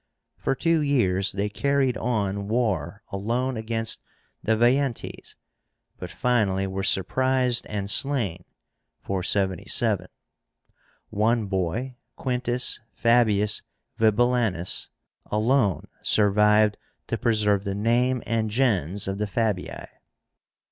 For two years they carried on war alone against the Veientes, but finally were surprised and slain (477). One boy, Quintus Fabius Vibulánus, alone survived to preserve the name and gens of the Fabii.